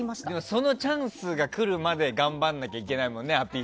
そのチャンスが来るまで頑張らなきゃいけないもんね。